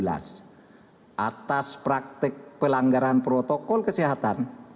atas praktik pelanggaran protokol kesehatan